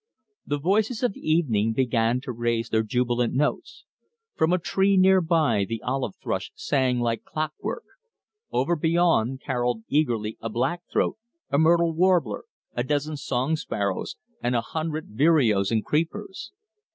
The voices of evening began to raise their jubilant notes. From a tree nearby the olive thrush sang like clockwork; over beyond carolled eagerly a black throat, a myrtle warbler, a dozen song sparrows, and a hundred vireos and creepers.